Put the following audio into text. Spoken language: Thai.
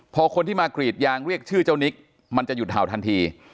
พอคนที่มากรีดยางเรียกชื่อเจ้านิกมันจะหยุดเห่าทันที